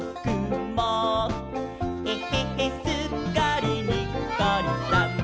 「えへへすっかりにっこりさん！」